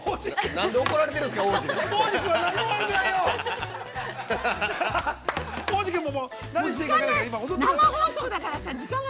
◆何で怒られてるんですか、央士君が。